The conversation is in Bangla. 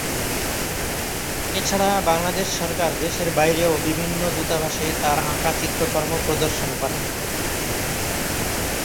এছাড়া বাংলাদেশ সরকার দেশের বাইরেও বিভিন্ন দূতাবাসে তার আঁকা চিত্রকর্ম প্রদর্শন করে।